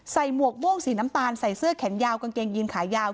หมวกม่วงสีน้ำตาลใส่เสื้อแขนยาวกางเกงยีนขายาว